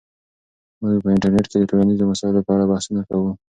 موږ په انټرنیټ کې د ټولنیزو مسایلو په اړه بحثونه کوو.